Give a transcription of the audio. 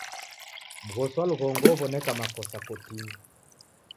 Mghosi wa lughongo ow'oneka makosa kotinyi.